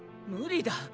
無理だ。